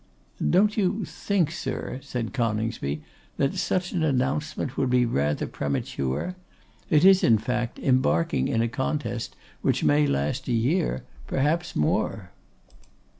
'Don't you think, sir,' said Coningsby, 'that such an announcement would be rather premature? It is, in fact, embarking in a contest which may last a year; perhaps more.